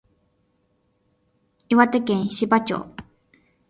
岩手県紫波町